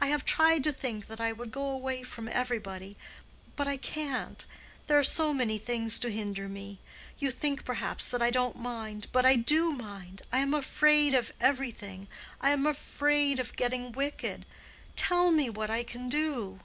I have tried to think that I would go away from everybody. But I can't. There are so many things to hinder me. You think, perhaps, that I don't mind. But I do mind. I am afraid of everything. I am afraid of getting wicked. Tell me what I can do."